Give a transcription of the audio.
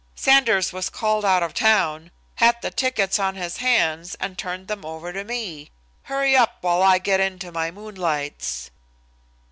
Sanders was called out of town, had the tickets on his hands, and turned them over to me. Hurry up while I get into my moonlights."